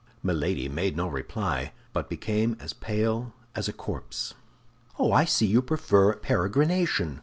Milady made no reply, but became as pale as a corpse. "Oh, I see you prefer peregrination.